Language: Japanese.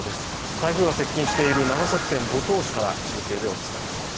台風が接近している長崎県五島市から中継でお伝えします。